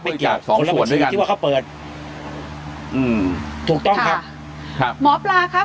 ทุกอย่างสองส่วนหนึ่งที่ว่าเขาเปิดอืมถูกต้องครับครับหมอปลาครับ